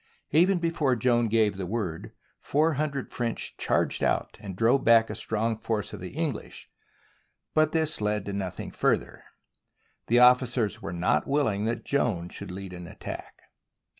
Even before Joan gave the word, four hundred French charged out and drove back a strong force of the English, but this led to nothing further. The officers were not willing that Joan should lead an attack.